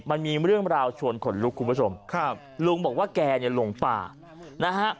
มันมีเรื่องราวชวนขนลุกคุณผู้ชมครับลุงบอกว่าแกเนี่ยหลงป่านะฮะ